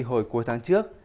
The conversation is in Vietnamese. hồi cuối tháng trước